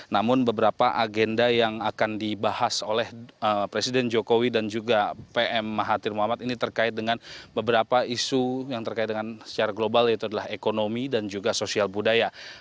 namun beberapa agenda yang akan dibahas oleh presiden jokowi dan juga pm mahathir muhammad ini terkait dengan beberapa isu yang terkait dengan secara global yaitu adalah ekonomi dan juga sosial budaya